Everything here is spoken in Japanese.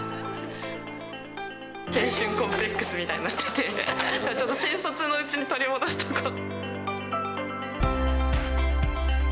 青春コンプレックスみたいになっちゃって、ちょっと新卒のうちに取り戻したいと。